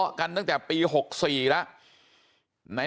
บอกแล้วบอกแล้วบอกแล้ว